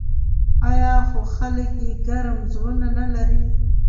آیا خو خلک یې ګرم زړونه نلري؟